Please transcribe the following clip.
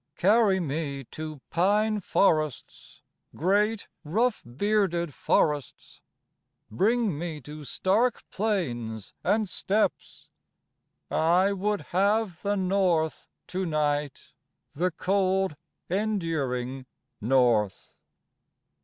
Carry me to pine forests Great, rough bearded forests... Bring me to stark plains and steppes... I would have the North to night The cold, enduring North.